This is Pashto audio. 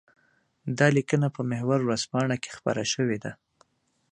دا ليکنه په محور ورځپاڼه کې خپره شوې ده.